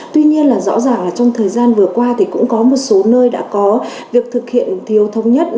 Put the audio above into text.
tuy nhiên là rõ ràng là trong thời gian vừa qua thì cũng có một số nơi đã có việc thực hiện thiếu thống nhất